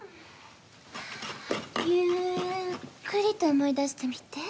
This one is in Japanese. ゆっくりと思い出してみて。